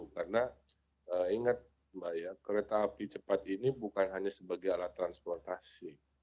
karena ingat mbak ya kereta api cepat ini bukan hanya sebagai alat transportasi